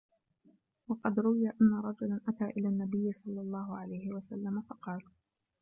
وَقَدْ رُوِيَ أَنَّ رَجُلًا أَتَى إلَى النَّبِيِّ صَلَّى اللَّهُ عَلَيْهِ وَسَلَّمَ فَقَالَ